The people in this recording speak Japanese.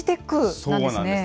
そうなんですね。